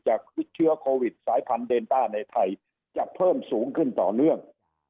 เชื้อโควิดสายพันธุเดนต้าในไทยจะเพิ่มสูงขึ้นต่อเนื่อง